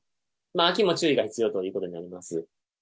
秋も注意が必要ということになります。